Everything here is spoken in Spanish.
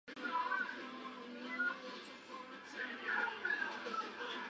El título de la obra es difícil de comprender.